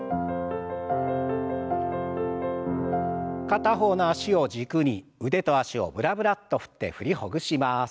片方の脚を軸に腕と脚をブラブラッと振って振りほぐします。